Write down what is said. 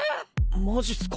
マジっすか。